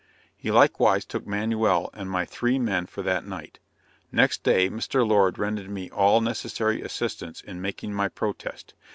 He likewise took Manuel and my three men for that night. Next day Mr. Lord rendered me all necessary assistance in making my protest.